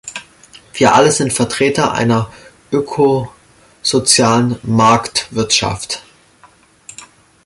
Wir alle sind Vertreter einer öko-sozialen Marktwirtschaft.